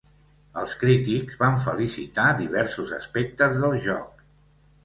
Els crítics van felicitar diversos aspectes del joc.